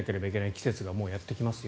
季節がもうやってきますよ